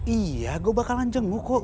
iya gue bakalan jengu kok